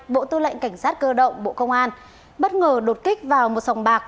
bộ tư lệnh cảnh sát cơ động bộ công an bất ngờ đột kích vào một sòng bạc